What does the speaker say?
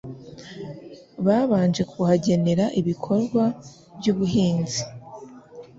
babanje kuhagenera ibikorwa by'ubuhinzi